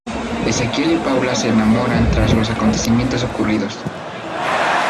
Ezequiel y Paula se enamoran tras los acontecimientos ocurridos.